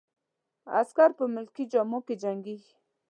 عسکر په ملکي جامو کې جنګیږي.